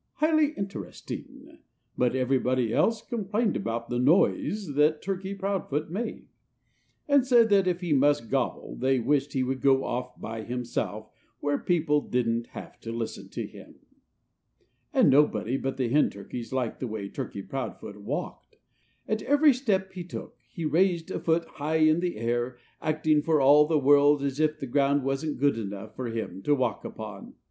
_" highly interesting. But everybody else complained about the noise that Turkey Proudfoot made, and said that if he must gobble they wished he would go off by himself, where people didn't have to listen to him. And nobody but the hen turkeys liked the way Turkey Proudfoot walked. At every step he took he raised a foot high in the air, acting for all the world as if the ground wasn't good enough for him to walk upon.